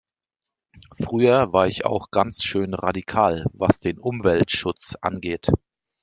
Früher war ich auch ganz schön radikal was den Umweltschutz angeht.